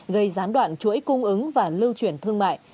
gây gián đoạn chuỗi cung ứng và lưu chuyển thương mại